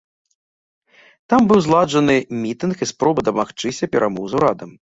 Там быў зладжаны мітынг і спроба дамагчыся перамоў з урадам.